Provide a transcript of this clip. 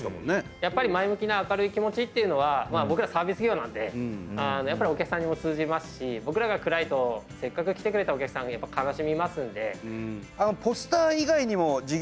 やっぱり前向きな明るい気持ちっていうのは僕らサービス業なんでやっぱりお客さんにも通じますし僕らが暗いとせっかく来てくれたお客さんがやっぱ悲しみますんで。